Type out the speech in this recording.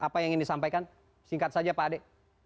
apa yang ingin disampaikan singkat saja pak ade